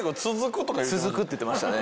「続く」って言ってましたね。